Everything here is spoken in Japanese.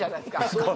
そう？